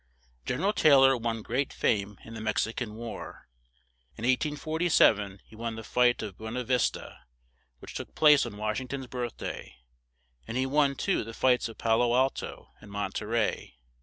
Gen er al Tay lor won great fame in the Mex i can War; in 1847 he won the fight of Bu e na Vis ta, which took place on Wash ing ton's birth day; and he won too the fights of Pa lo Al to and Mon te rey.